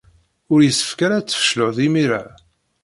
Ur yessefk ara ad tfecled imir-a.